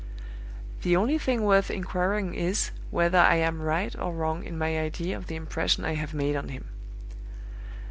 "The only thing worth inquiring is, whether I am right or wrong in my idea of the impression I have made on him.